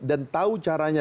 dan tahu caranya